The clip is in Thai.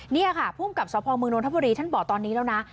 นี่ค่ะภูมิกับสพเมืองนทบุรีท่านบอกตอนนี้แล้วนะ